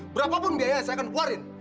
berapapun biaya saya akan keluarin